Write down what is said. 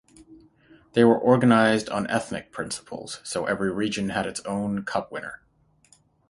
They were organized on ethnic principles, so every region had its own cup winner.